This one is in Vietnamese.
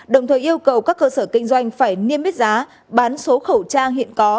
đồng thời yêu cầu các cơ sở kinh doanh phải niêm yết giá bán số khẩu trang hiện có